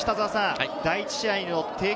第１試合の帝京